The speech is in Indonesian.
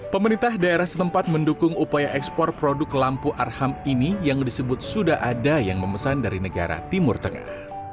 pemerintah daerah setempat mendukung upaya ekspor produk lampu arham ini yang disebut sudah ada yang memesan dari negara timur tengah